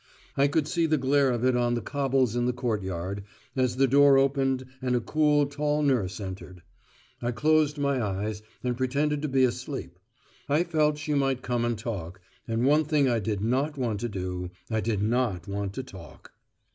I could see the glare of it on the cobbles in the courtyard, as the door opened and a cool, tall nurse entered. I closed my eyes, and pretended to be asleep. I felt she might come and talk, and one thing I did not want to do, I did not want to talk.